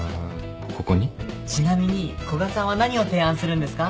ちなみに古賀さんは何を提案するんですか？